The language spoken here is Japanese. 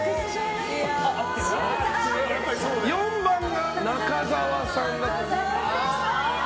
４番が中沢さん。